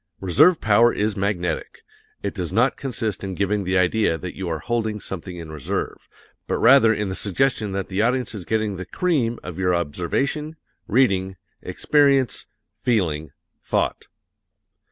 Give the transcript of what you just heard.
Reserve power is magnetic. It does not consist in giving the idea that you are holding something in reserve, but rather in the suggestion that the audience is getting the cream of your observation, reading, experience, feeling, thought.